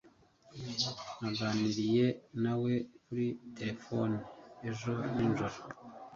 naganiriye nawe kuri terefone ejo nijoro